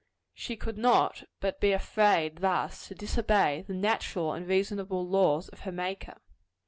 She could not but be afraid thus to disobey the natural and reasonable laws of her Maker.